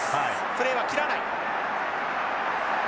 プレーは切らない。